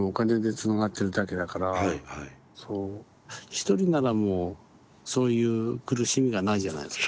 独りならもうそういう苦しみがないじゃないですか。